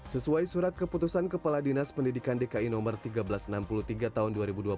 sesuai surat keputusan kepala dinas pendidikan dki no seribu tiga ratus enam puluh tiga tahun dua ribu dua puluh